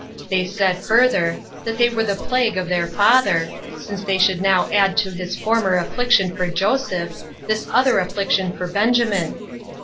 They said further; that they were the plague of their father, since they should now add to his former affliction for Joseph, this other affliction for Benjamin.